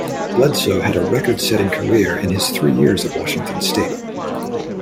Bledsoe had a record-setting career in his three years at Washington State.